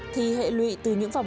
tính trọng lớp